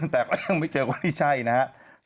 แต่ก็ยังไม่เจอคนที่ใช่นะครับ